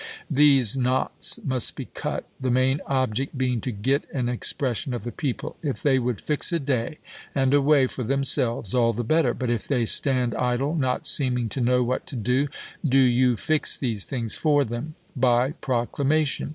These knots must be cut, the main object being to get an expression of the people. If they would fix a day and a way, for themselves, all the better ; "but if they stand idle, not seeming to know what to do, do you fix these things for them by proclamation.